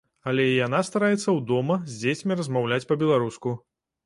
Але і яна стараецца ў дома з дзецьмі размаўляць па-беларуску.